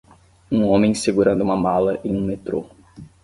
Um homem segurando uma mala em um metrô.